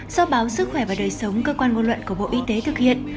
do báo sức khỏe và đời sống cơ quan ngôn luận của bộ y tế thực hiện